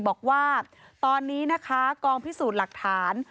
บอกว่าตอนนี้นะคะกองพิสูจน์หลักฐาน